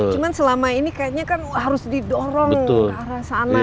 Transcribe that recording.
cuma selama ini kayaknya kan harus didorong ke arah sana